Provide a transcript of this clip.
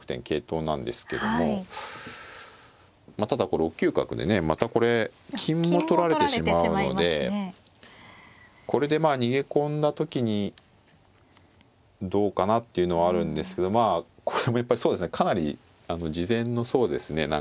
桂頭なんですけどもまあただこう６九角でねまたこれ金も取られてしまうのでこれでまあ逃げ込んだ時にどうかなっていうのはあるんですけどまあこれもやっぱりそうですねかなり事前のそうですね